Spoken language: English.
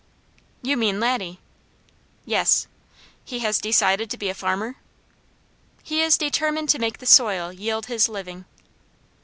"You mean Laddie?" "Yes." "He has decided to be a farmer?" "He is determined to make the soil yield his living."